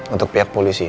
untuk pihak polisi